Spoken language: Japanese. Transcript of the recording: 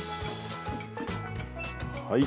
はい。